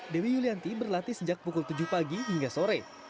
dewi yulianti berlatih sejak pukul tujuh pagi hingga sore